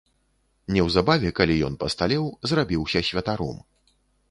Неўзабаве, калі ён пасталеў, зрабіўся святаром.